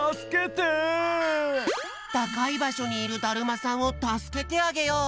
たかいばしょにいるだるまさんをたすけてあげよう！